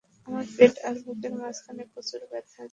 আমার পেট আর বুকের মাঝখানে প্রচুর ব্যাথা আর জ্বালাপোড়া করে।